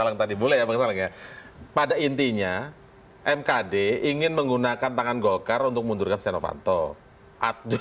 mundur ini bagaimana pak ammananda